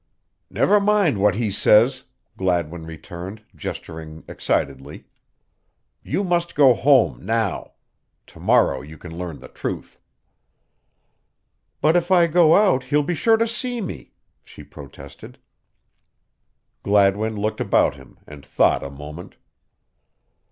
"Never mind what he says," Gladwin returned, gesturing excitedly. "You must go home now. To morrow you can learn the truth." "But if I go out he'll be sure to see me," she protested. Gladwin looked about him and thought a moment.